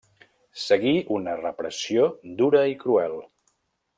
Seguí una repressió dura i cruel.